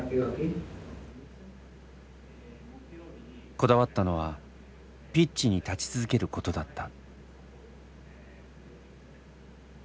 こだわったのはピッチに立ち続けることだった。